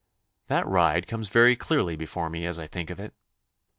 That ride comes very clearly before me as I think of it.